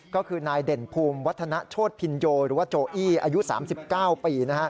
ก็คือนายเด่นภูมิวัฒนโชธพินโยหรือว่าโจอี้อายุ๓๙ปี